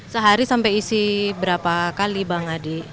sehari sampai isi berapa kali bang adi